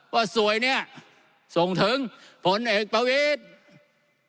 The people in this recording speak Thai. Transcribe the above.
สวยเนี่ยส่งถึงผลเอกประวิทธิ์